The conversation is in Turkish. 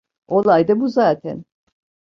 Olay da bu zaten.